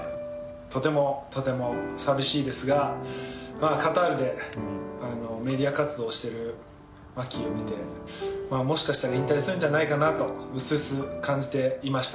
とてもとても寂しいですが、カタールで、メディア活動しているマキを見て、もしかしたら引退するんじゃないかなと薄々感じていました。